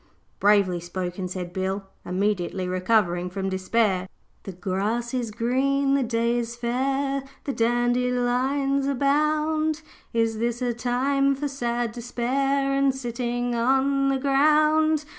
'Bravely spoken,' said Bill, immediately recovering from despair. 'The grass is green, the day is fair, The dandelions abound. Is this a time for sad despair And sitting on the ground?